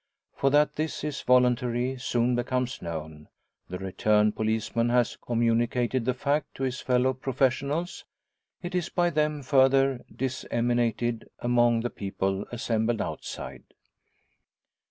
For that this is voluntary soon becomes known. The returned policeman has communicated the fact to his fellow professionals, it is by them further disseminated among the people assembled outside.